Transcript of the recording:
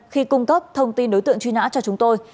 khi cung cấp thông tin đối tượng truy nã cho chúng tôi